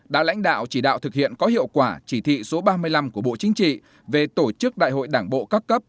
đã lãnh đạo chỉ đạo thực hiện có hiệu quả chỉ thị số ba mươi năm của bộ chính trị về tổ chức đại hội đảng bộ các cấp